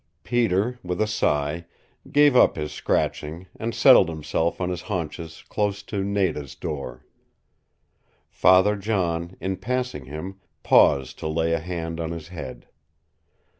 Peter, with a sigh, gave up his scratching and settled himself on his haunches close to Nada's door. Father John, in passing him, paused to lay a hand on his head.